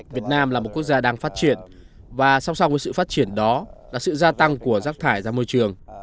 việt nam là một quốc gia đang phát triển và song song với sự phát triển đó là sự gia tăng của rác thải ra môi trường